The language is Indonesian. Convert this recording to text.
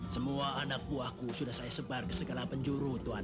semua anak buahku sudah saya sebar ke segala penjuru tuhan